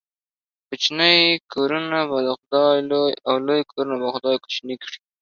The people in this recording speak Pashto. کوچني کورونه به خداى لوى ، او لوى کورونه به خداى کوچني کړي.